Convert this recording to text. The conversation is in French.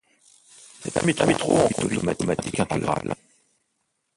C'est un métro en conduite automatique intégrale.